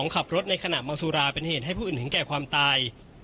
ขับรถในขณะเมาสุราเป็นเหตุให้ผู้อื่นถึงแก่ความตาย